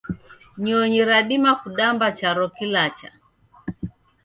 Nyonyi radima kudamba charo kilacha